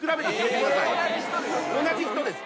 同じ人です。